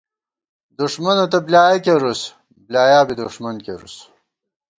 دُݭمَنہ تہ بۡلیایَہ کېرُوس، بلایا بی دُݭمن کېرُوس